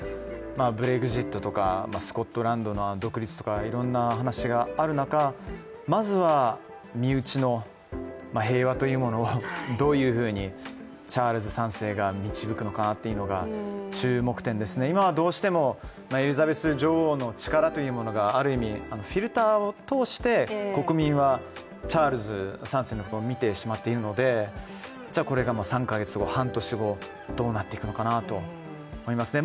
ブレグジットとか、スコットランドの独立とかいろいろな話がある中まずは身内の平和というものをどういうふうにチャールズ３世が導くのかというのが注目点ですね、今はどうしてもエリザベス女王の力というものがある意味、フィルターを通して国民はチャールズ３世のことを見ているので、これが３か月後、半年後、どうなっていくのかなと思いますね。